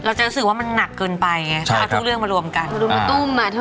เราจะรู้สึกว่ามันหนักเกินไปถ้าทุกเรื่องมารวมกัน